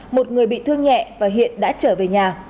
một người bị thương nhẹ và hiện đã trở về nhà